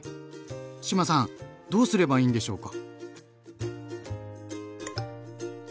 志麻さんどうすればいいんでしょうか？